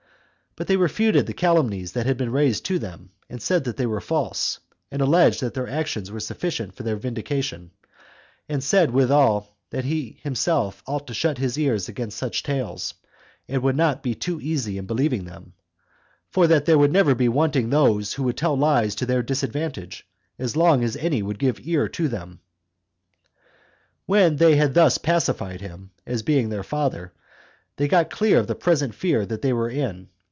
But they refuted the calumnies that had been raised of them, and said they were false, and alleged that their actions were sufficient for their vindication; and said withal, that he himself ought to shut his ears against such tales, and not be too easy in believing them, for that there would never be wanting those that would tell lies to their disadvantage, as long as any would give ear to them. 5. When they had thus soon pacified him, as being their father, they got clear of the present fear they were in.